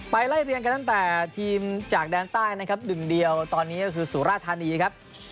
ไล่เรียงกันตั้งแต่ทีมจากแดนใต้นะครับหนึ่งเดียวตอนนี้ก็คือสุราธานีครับ